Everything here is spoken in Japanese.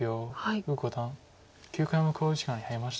呉五段９回目の考慮時間に入りました。